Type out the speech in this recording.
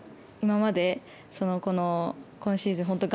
今までこの今シーズン